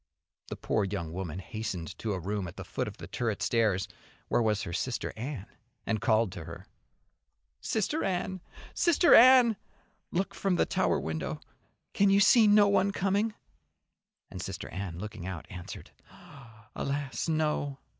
The poor young woman hastened to a room at the foot of the turret stairs where was her Sister Anne, and called to her. "Sister Anne, Sister Anne, look from the tower window. Can you see no one coming?" And Sister Anne, looking out, answered: "Alas! No!